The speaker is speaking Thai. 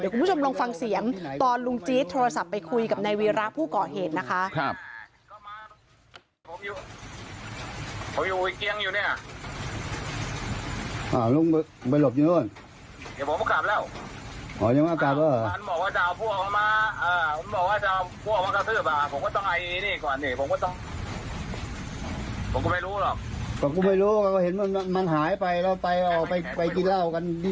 คุณผู้ชมลองฟังเสียงตอนลุงจี๊ดโทรศัพท์ไปคุยกับนายวีระผู้ก่อเหตุนะคะ